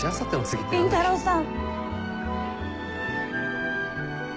倫太郎さん。